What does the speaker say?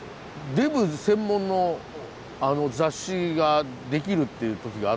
デブ専門の雑誌ができるっていう時があって。